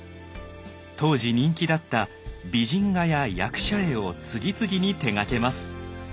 当時人気だった美人画や役者絵を次々に手がけます。